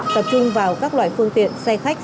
tập trung vào các loại phương tiện xe khách